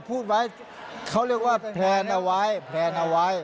พูดไว้เขาเรียกว่าแพลนเอาไว้